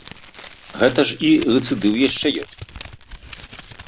Гэта ж і рэцыдыў яшчэ ёсць.